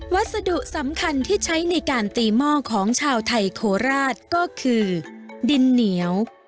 วัสดุสำคัญที่ใช้ในการตีหม้อของชาวไทยโคราชก็คือดินเหนียว